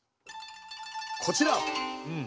こちら！